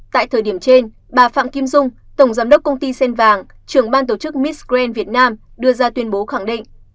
tại thời điểm trên bà phạm kim dung tổng giám đốc công ty xen vàng trưởng ban tổ chức miss grand việt nam đưa ra tuyên bố khẳng định